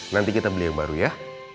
nanti kita beli yang baru ya